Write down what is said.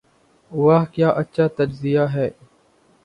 '' واہ کیا اچھا تجزیہ ہے۔